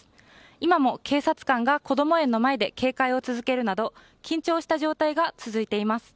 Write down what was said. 今も警察官がこども園の前で警戒を続けるなど緊張した状態が続いています。